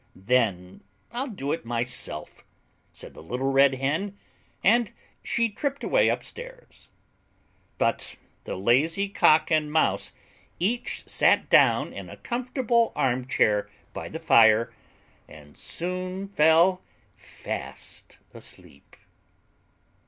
"Then I'll do it myself," said the little Red Hen. And she tripped away upstairs. But the lazy Cock and Mouse each sat down in a comfortable arm chair by the fire and soon fell fast asleep.